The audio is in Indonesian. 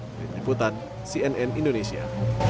dari diputan cnn indonesia